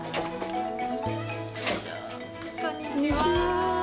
こんにちは。